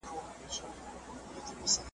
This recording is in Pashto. زورور هم تر چنګېز هم تر سکندر دی